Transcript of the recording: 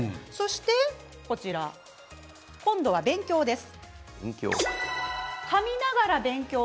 そして今度は勉強です。